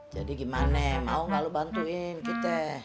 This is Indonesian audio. jadi gimana mau gak lo bantuin kita